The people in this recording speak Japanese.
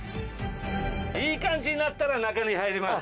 いい感じになったら中に入ります